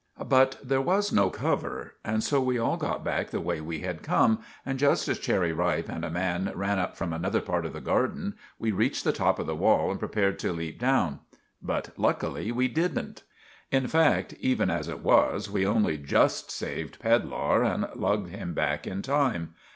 But there was no cover, and so we all got back the way we had come, and just as Cherry Ripe and a man ran up from another part of the garden we reached the top of the wall and prepared to leap down. But luckily we didn't. In fact, even as it was we only just saved Pedlar and lugged him back in time.